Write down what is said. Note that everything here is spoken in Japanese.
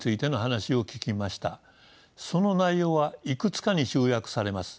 その内容はいくつかに集約されます。